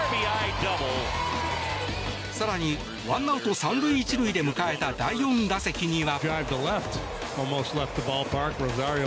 更にワンアウト３塁１塁で迎えた第４打席には。